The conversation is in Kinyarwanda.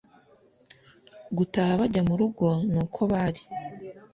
gutaha bajya murugo nuko bari